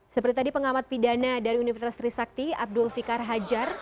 seperti tadi pengamat pidana dari universitas trisakti abdul fikar hajar